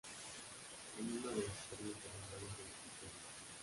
Es una de las estaciones terminales del sistema.